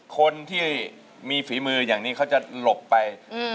คนที่มีฝีมืออย่างนี้เขาจะหลบไป